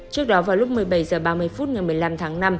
trước đó vào lúc một mươi bảy h ba mươi phút ngày một mươi năm tháng năm